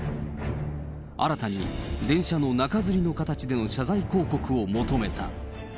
新たに電車の中づりの形での謝罪広告を求めた。